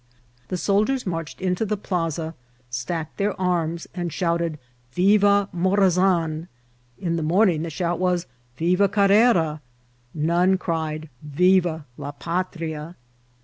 The soldiers marched into the plaza, stacked their arms, and shouted " Viva Morazan." In the morning the shout was " Viva Carrera !" None cried " Viva la Patria